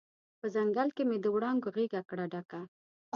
په ځنګل کې مې د وړانګو غیږ کړه ډکه